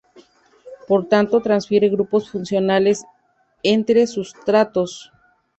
Por tanto transfiere grupos funcionales entre sustratos.